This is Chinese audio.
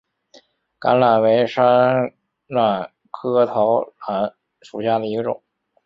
桃榄为山榄科桃榄属下的一个种。